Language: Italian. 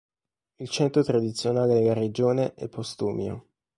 Il centro tradizionale della regione è Postumia.